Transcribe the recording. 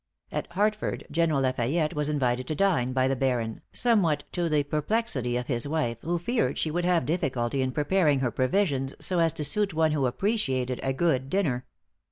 At Hartford, General La Fayette was invited to dine by the Baron, somewhat to the perplexity of his wife, who feared she would have difficulty in preparing her provisions so as to suit one who appreciated a good dinner.